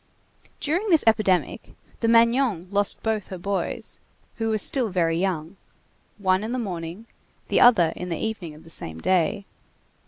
During this epidemic, the Magnon lost both her boys, who were still very young, one in the morning, the other in the evening of the same day.